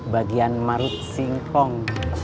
bagian marut singkong